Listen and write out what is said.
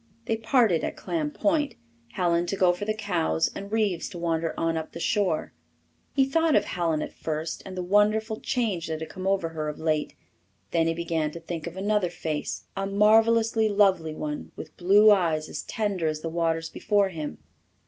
They parted at Clam Point, Helen to go for the cows and Reeves to wander on up the shore. He thought of Helen at first, and the wonderful change that had come over her of late; then he began to think of another face a marvellously lovely one with blue eyes as tender as the waters before him.